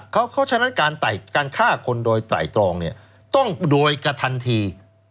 เขาเขาฉะนั้นการไต่การฆ่าคนโดยไต่ตรองเนี่ยต้องโดยกระทันที